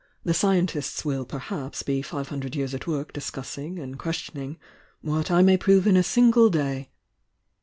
The scientists will perhaps be five hundred years at work discussing and questioning what I may prove in a single day!